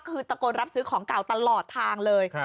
คือตะโกนรับซื้อของเก่าตลอดทางเลย